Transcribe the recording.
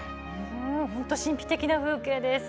神秘的な風景です。